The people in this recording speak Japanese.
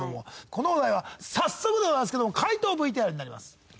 このお題は早速でございますけど回答ＶＴＲになります。